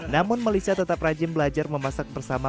namun melisha tetap rajin belajar memasak bersama